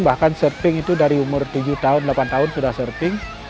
bahkan surfing itu dari umur tujuh tahun delapan tahun sudah surfing